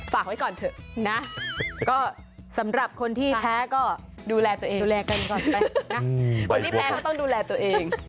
ฝากไว้ก่อนเถอะนะก็สำหรับคนที่แพ้ก็ดูแลตัวเองดูแลกันก่อนไปนะคนที่แพ้ก็ต้องดูแลตัวเอง